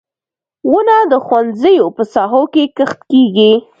• ونه د ښوونځیو په ساحو کې کښت کیږي.